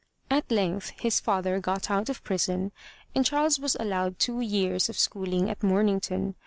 At length his father got out of prison and Charles was allowed two years of schooling at Momington.